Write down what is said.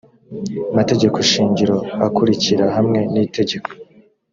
mategeko shingiro akurikira hamwe n itegeko